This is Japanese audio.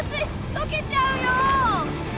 溶けちゃうよ！